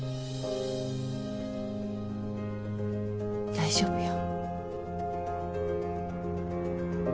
大丈夫よ。